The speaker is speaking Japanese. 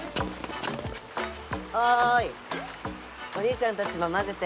おいお兄ちゃんたちもまぜて！